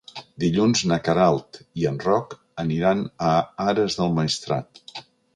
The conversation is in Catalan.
Dilluns na Queralt i en Roc aniran a Ares del Maestrat.